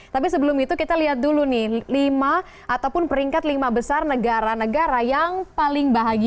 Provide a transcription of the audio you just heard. tapi sebelum itu kita lihat dulu nih lima ataupun peringkat lima besar negara negara yang paling bahagia